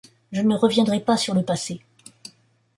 Je ne reviendrai pas sur le passé.